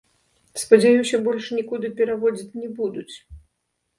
Спадзяюся, больш нікуды пераводзіць не будуць.